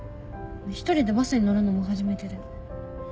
１人でバスに乗るのも初めてで。